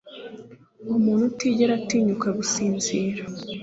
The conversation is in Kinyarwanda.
umuntu utigera atinyuka gusinzira